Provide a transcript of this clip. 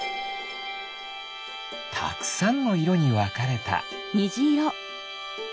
たくさんのいろにわかれた。